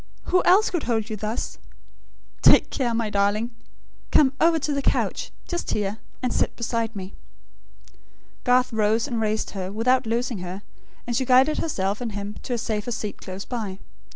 Who else could hold you thus? ... Take care, my darling! Come over to the couch, just here; and sit beside me." Garth rose, and raised her, without loosing her; and she guided herself and him to a safer seat close by.